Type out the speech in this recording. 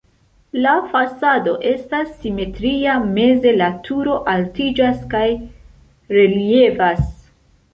La fasado estas simetria, meze la turo altiĝas kaj reliefas.